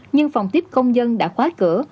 nhưng phòng tiếp công dân đã khóa cửa